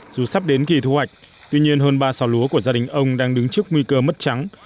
dù sắp đến kỳ thu hoạch tuy nhiên hơn ba xào lúa của gia đình ông đang đứng trước nguy cơ mất trắng